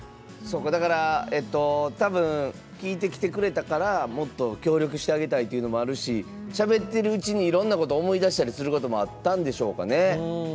だから多分聞いてきてくれたからもっと協力してあげたいっていうのもあるししゃべってるうちにいろんなことを思い出したりすることもあったんでしょうかね。